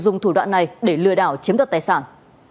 dùng thủ đoạn này để lừa đảo chiếm đoạt tài sản